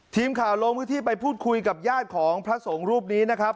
ทีมข่าวลงพื้นที่ไปพูดคุยกับญาติของพระสงฆ์รูปนี้นะครับ